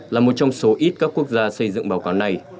là một trong số ít các quốc gia xây dựng báo cáo này